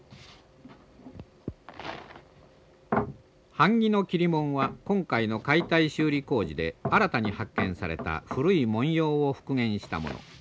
版木の桐文は今回の解体修理工事で新たに発見された古い文様を復元したもの。